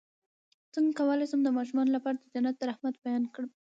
څنګه کولی شم د ماشومانو لپاره د جنت د رحمت بیان کړم